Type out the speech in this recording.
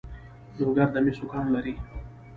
لوګر د مسو کان لري